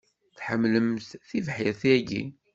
Tḥemlemt tibḥirt-ayi?